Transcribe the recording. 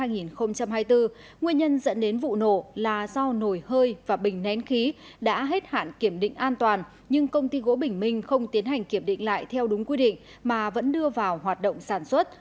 nguyên nhân dẫn đến vụ nổ là do nồi hơi và bình nén khí đã hết hạn kiểm định an toàn nhưng công ty gỗ bình minh không tiến hành kiểm định lại theo đúng quy định mà vẫn đưa vào hoạt động sản xuất